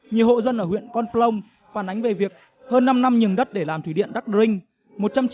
nhiều hộ dân ở huyện con plong phản ánh về việc hơn năm năm nhường đất để làm thủy điện đắc rinh